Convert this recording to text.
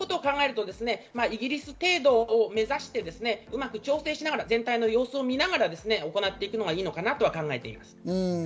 考えるとイギリス程度を目指してうまく調整しながら全体の様子を見ながら行っていくのはいいのかなと思います。